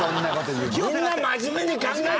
みんな真面目に考えてる！